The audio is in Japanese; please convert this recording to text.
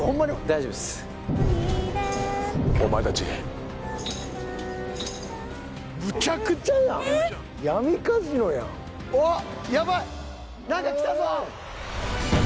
大丈夫ですお前達ムチャクチャやん闇カジノやんおっヤバい何か来たぞ！